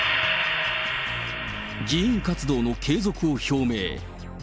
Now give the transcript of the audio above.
議員活動の継続を表明。